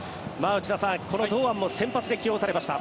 内田さん、この堂安も先発で起用されました。